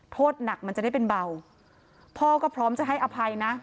โทษหนักมันจะได้เป็นเบาพ่อก็พร้อมจะให้อภัยนะ